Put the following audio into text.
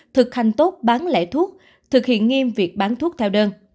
thực hành tốt bán lẻ thuốc thực hiện nghiêm việc bán thuốc theo đơn